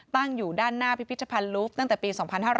ตั้งอยู่ด้านหน้าพิพิธภัณฑ์ลูฟตั้งแต่ปี๒๕๕๙